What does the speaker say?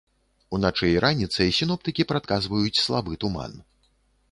Уначы і раніцай сіноптыкі прадказваюць слабы туман.